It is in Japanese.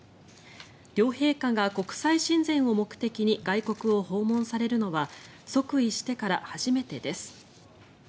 両陛下が、国際親善を目的に外国を訪問されるのは即位してから初めてです。